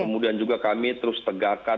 kemudian juga kami terus tegakkan